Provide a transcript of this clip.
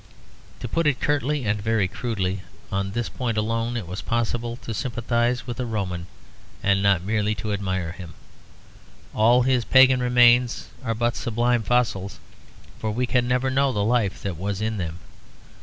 To put it curtly and very crudely on this point alone it was possible to sympathise with a Roman and not merely to admire him. All his pagan remains are but sublime fossils; for we can never know the life that was in them.